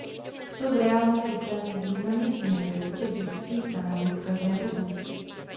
To v reálných systémech významně snižuje počet dostupných kanálů v každém uzlu.